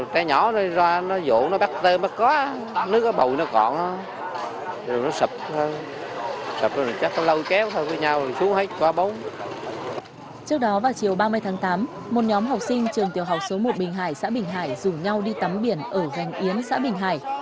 trước đó vào chiều ba mươi tháng tám một nhóm học sinh trường tiểu học số một bình hải xã bình hải rủ nhau đi tắm biển ở gành yến xã bình hải